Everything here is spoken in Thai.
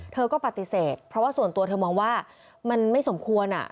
เธอก็ปฏิเสธเพราะว่าส่วนตัวเธอมองว่ามันไม่สมควร